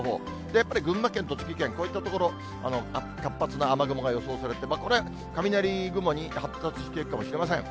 やっぱり群馬県、栃木県、こういった所、活発な雨雲が予想されて、これ、雷雲に発達していくかもしれません。